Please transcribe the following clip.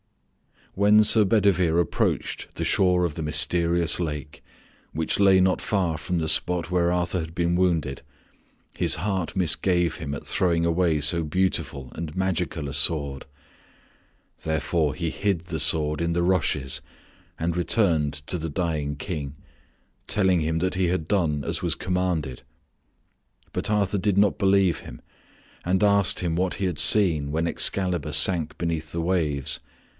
When Sir Bedivere approached the shore of the mysterious lake, which lay not far from the spot where Arthur had been wounded, his heart misgave him at throwing away so beautiful and magical a sword. Therefore he hid the sword in the rushes and returned to the dying King, telling him that he had done as was commanded. But Arthur did not believe him, and asked him what he had seen when Excalibur sank beneath the waves.